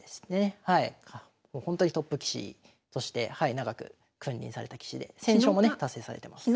ほんとにトップ棋士として長く君臨された棋士で１，０００勝もね達成されてます。